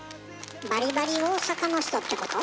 バリバリ大阪の人ってこと？